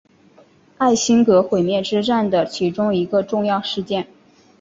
艾辛格毁灭之战的其中一个重要事件。